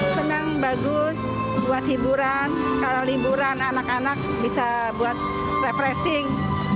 senang bagus buat hiburan kalau liburan anak anak bisa buat refreshing